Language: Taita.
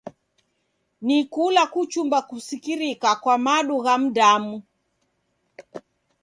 Ni kula kuchumba kusikirika kwa madu gha mdamu.